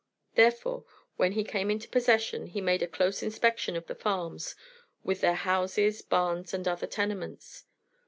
Therefore, when he came into possession he made a close inspection of the farms, with their houses, barns, and other tenements.